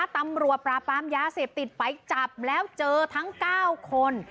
ตำรวจปราบปรามยาเสพติดไปจับแล้วเจอทั้ง๙คน